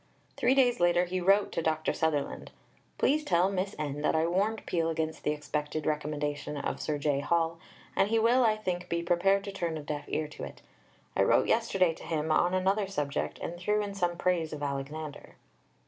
Three days later he wrote to Dr. Sutherland: "Please tell Miss N. that I warned Peel against the expected recommendation of Sir J. Hall, and he will, I think, be prepared to turn a deaf ear to it. I wrote yesterday to him on another subject and threw in some praise of Alexander."